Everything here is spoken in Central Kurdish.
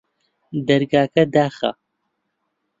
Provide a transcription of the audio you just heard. دەرگاکە داخە